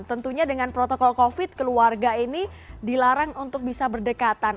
tentunya dengan protokol covid keluarga ini dilarang untuk bisa berdekatan